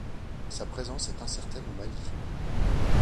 Sa présence est incertaine au Mali.